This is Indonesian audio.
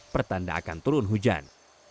pertanda akan turun hujan